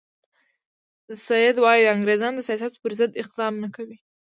سید وایي د انګریزانو د سیاست پر ضد اقدام نه کوي.